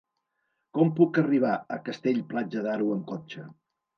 Com puc arribar a Castell-Platja d'Aro amb cotxe?